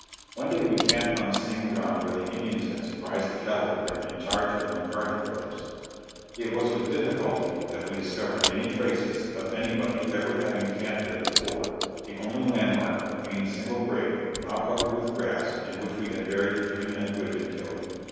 One day we camped on the same ground where the Indians had surprised the cattle herd, in charge of the McCarty brothers. It was with difficulty that we discovered any traces of anybody ever having camped there before, the only landmark being the single grave, now covered with grass, in which we had buried the three men who had been killed.